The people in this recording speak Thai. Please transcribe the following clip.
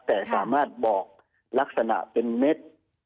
แต่สามารถบอกลักษณะเป็นเม็ด